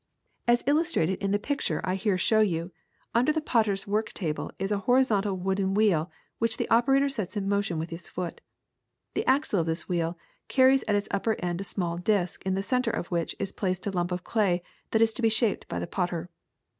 As illustrated im the picture I here POTTERY 169 show you, under the potter's work table is a horizon tal wooden wheel which the operator sets in motion with his foot. The axle of this w^heel carries at its upper end a small disk, in the center of which is placed the lump of clay that is to be shaped by the potter.